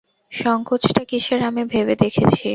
সংকোচটা কিসের আমি ভেবে দেখেছি।